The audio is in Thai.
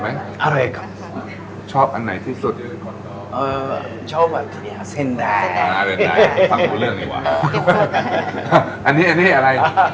มาจากเมืองเซ็นได